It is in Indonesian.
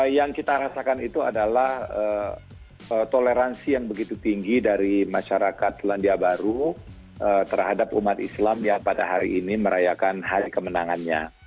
yang kita rasakan itu adalah toleransi yang begitu tinggi dari masyarakat selandia baru terhadap umat islam yang pada hari ini merayakan hari kemenangannya